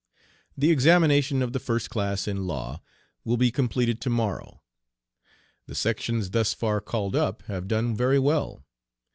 "The examination of the first class in law will be completed tomorrow. The sections thus far called up have done very well.